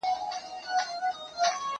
ما مخکي د سبا لپاره د هنرونو تمرين کړی وو!؟